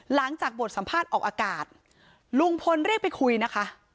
หลังจากบทสัมภาษณ์ออกอากาศลุงพลเรียกไปคุยนะคะ